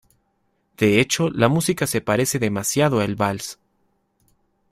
De hecho la música se parece demasiado a el Vals.